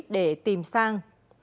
để tìm sang